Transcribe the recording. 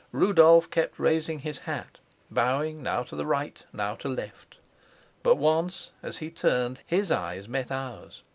Rudolf kept raising his hat, bowing now to right, now to left. But once, as he turned, his eyes met ours.